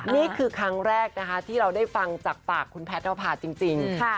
นี่คือครั้งแรกนะคะที่เราได้ฟังจากปากคุณแพทย์นภาจริง